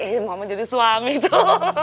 mama jadi suami tuh